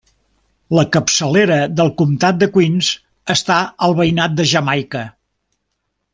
La capçalera de comtat de Queens està al veïnat de Jamaica.